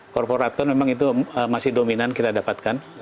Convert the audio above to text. korporator memang itu masih dominan kita dapatkan